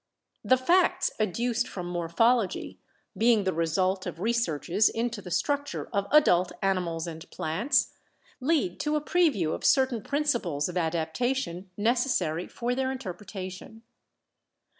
The facts adduced from morphology, being the result of researches into the structure of adult animals and plants, lead to a preview of certain principles of adaptation, necessary for their interpretation.